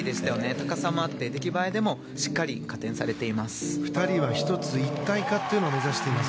高さもあって、出来栄えでもしっかり加点されています。